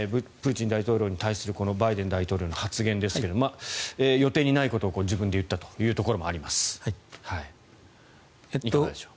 プーチン大統領に対するこのバイデン大統領の発言ですが予定にないことを自分で言ったというところもあります。